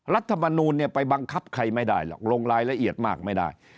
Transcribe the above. รัฐมนูลเนี่ยไปบังคับใครไม่ได้หรอกลงรายละเอียดมากไม่ได้